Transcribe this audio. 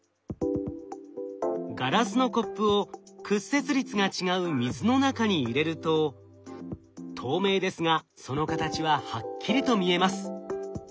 ガラスのコップを屈折率が違う水の中に入れると透明ですがその形ははっきりと見えます。